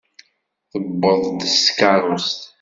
Tewweḍ-d s tkeṛṛust.